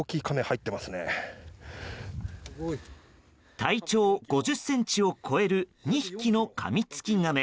体長５０ｃｍを超える２匹のカミツキガメ。